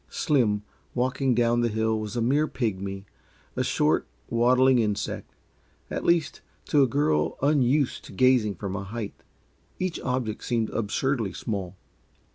Slim, walking down the hill, was a mere pigmy a short, waddling insect. At least, to a girl unused to gazing from a height, each object seemed absurdly small.